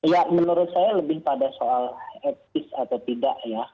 ya menurut saya lebih pada soal etis atau tidak ya